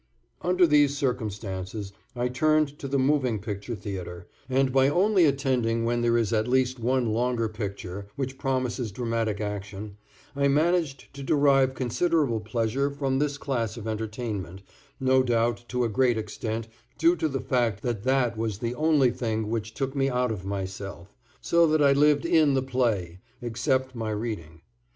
Under these circumstances I turned to the moving picture theatre, and by only attending when there is at least one longer picture which promises dramatic action, I managed to derive considerable pleasure from this class of entertainment, no doubt to a great extent due to the fact that that was the only thing which took me out of myself, so that I lived in the play except my reading.